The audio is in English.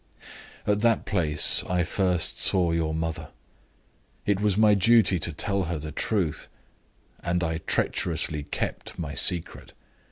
"At that place I first saw your mother. It was my duty to tell her the truth and I treacherously kept my secret.